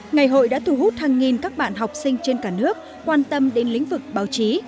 ngày hội đã thu hút hàng nghìn các bạn học sinh trên cả nước quan tâm đến lĩnh vực báo chí